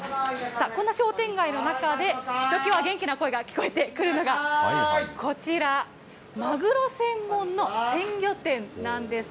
さあ、こんな商店街の中で、ひときわ元気な声が聞こえてくるのがこちら、マグロ専門の鮮魚店なんです。